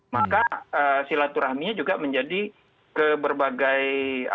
maka silaturahminya juga menjadi ke berbagai